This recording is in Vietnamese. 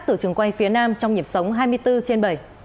từ trường quay phía nam trong nhịp sống hai mươi bốn trên bảy